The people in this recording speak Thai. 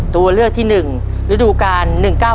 ตัวเลือกที่๑ฤดูกาล๑๙๙